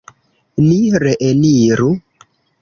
Ni reeniru.